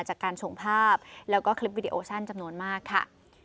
จากการส่งภาพแล้วก็คลิปวิดีโอชั่นจำนวนมากค่ะ